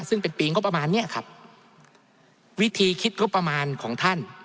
ซึ่งเป็นปีงบประมาณเนี้ยครับวิธีคิดงบประมาณของท่าน